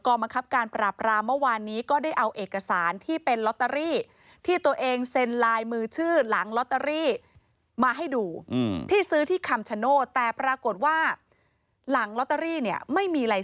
กรมคับการปราบรามเมื่อวานนี้